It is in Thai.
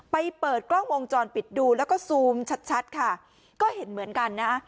เปิดกล้องวงจรปิดดูแล้วก็ซูมชัดชัดค่ะก็เห็นเหมือนกันนะ